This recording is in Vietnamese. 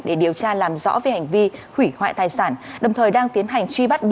để điều tra làm rõ về hành vi hủy hoại tài sản đồng thời đang tiến hành truy bắt